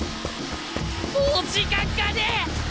もう時間がねえ！